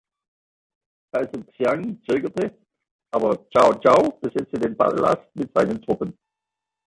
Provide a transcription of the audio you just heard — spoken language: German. Kaiser Xian zögerte, aber Cao Cao besetzte den Palast mit seinen Truppen.